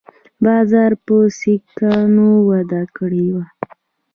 بازار په سیکانو وده کړې وه